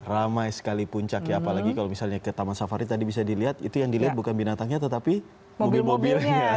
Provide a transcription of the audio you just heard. ramai sekali puncak ya apalagi kalau misalnya ke taman safari tadi bisa dilihat itu yang dilihat bukan binatangnya tetapi mobil mobilnya